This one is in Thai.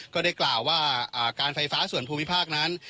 ก็ได้กล่าวว่าการไฟฟ้าส่วนภูมิภาคนั้น